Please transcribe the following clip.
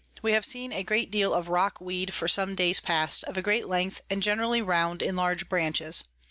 We have seen a deal of Rock Weed for some days past, of a great length and generally round in large Branches.